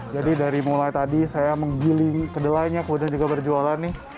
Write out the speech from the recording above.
jadi dari mulai tadi saya menggiling kedelainya kemudian juga berjualan nih